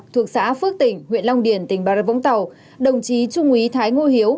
thuộc xã phước tỉnh huyện long điển tỉnh bà rất võng tàu đồng chí chung ý thái ngô hiếu